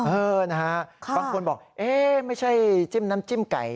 เออนะฮะบางคนบอกเอ๊ะไม่ใช่จิ้มน้ำจิ้มไก่